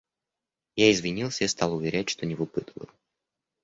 Я извинился и стал уверять, что не выпытываю.